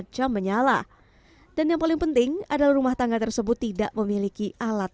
jam menyala dan yang paling penting adalah rumah tangga tersebut tidak memiliki alat